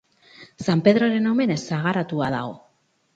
San Pedroren omenez sagaratua dago.